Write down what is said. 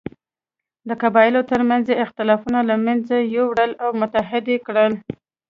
د قبایلو تر منځ یې اختلافونه له منځه یووړل او متحد یې کړل.